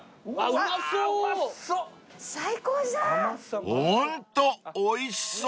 うわおいしそう！